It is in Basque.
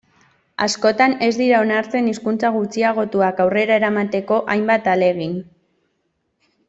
Askotan ez dira onartzen hizkuntza gutxiagotuak aurrera eramateko hainbat ahalegin.